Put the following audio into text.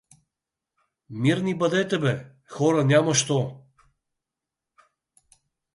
— Мирни бъдете бе, хора, няма нищо.